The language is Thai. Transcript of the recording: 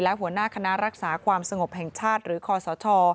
และหัวหน้าคณะรักษาความสงบแห่งชาติหรือคอสช